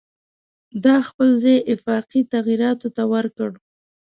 دا خپل ځای آفاقي تغییراتو ته ورکړ.